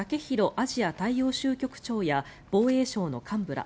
アジア大洋州局長や防衛省の幹部ら